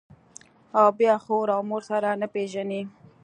او بيا خور و مور سره نه پېژني.